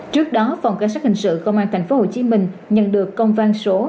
trước đó phòng cảnh sát hình sự công an tp hcm nhận được công văn số hai nghìn bảy trăm bốn mươi bốn